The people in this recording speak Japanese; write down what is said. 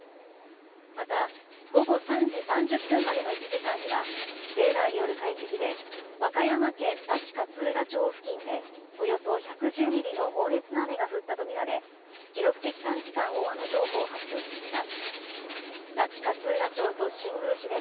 また午後３時３０分までの１時間にはレーダーによる解析で和歌山県那智勝浦町付近でおよそ１１０ミリの猛烈な雨が降ったと見られ記録的短時間大雨情報を発表しました。